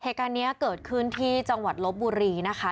เหตุการณ์นี้เกิดขึ้นที่จังหวัดลบบุรีนะคะ